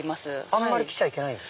あんまり来ちゃいけない？